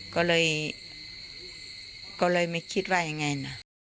ก็เลยก็เลยไม่คิดว่ายังไงนะ